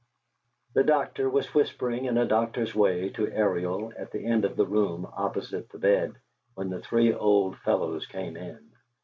The doctor was whispering in a doctor's way to Ariel at the end of the room opposite the bed, when the three old fellows came in.